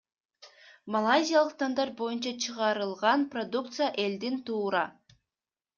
Малайзиялык стандарт боюнча чыгарылган продукция элдин туура